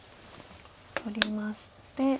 取りまして。